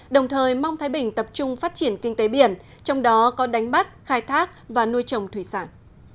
đồng thời mong thái bình tập trung phát triển kinh tế biển trong đó có đánh bắt khai thác và nuôi trồng thủy sản